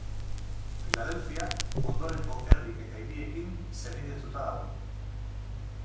Filadelfia ondorengo herri eta hiriekin senidetuta dago.